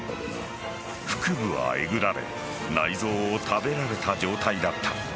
腹部はえぐられ内臓を食べられた状態だった。